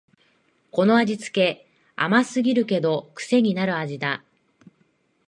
この味つけ、甘すぎるけどくせになる味だ